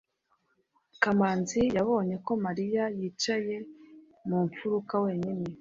kamanzi yabonye ko mariya yicaye mu mfuruka wenyine